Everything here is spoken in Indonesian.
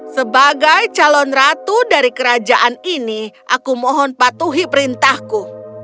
sebagai calon ratu dari kerajaan ini aku mohon patuhi perintahku